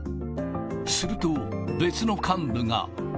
すると、別の幹部が。